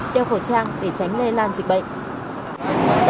đeo khẩu trang để tránh lây lan dịch bệnh